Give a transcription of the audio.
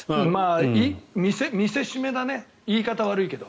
見せしめだねいい方は悪いけど。